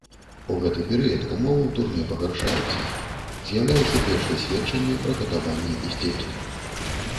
У гэты перыяд ўмовы ў турме пагаршаюцца, з'яўляюцца першыя сведчанні пра катаванні і здзекі.